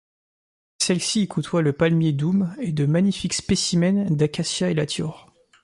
Celle-ci y côtoie le palmier doum et de magnifiques spécimens d'Acacia elatior.